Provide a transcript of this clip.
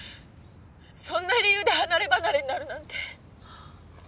そんな理由で離ればなれになるなんて。